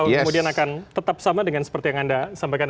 kemudian akan tetap sama dengan seperti yang anda sampaikan